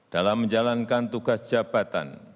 dalam menjalankan tugas jabatan